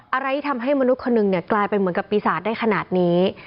อะไรที่ทำให้มนุษย์คนหนึ่งกลายเป็นเหมือนกับปีศาจได้ขนาดนี้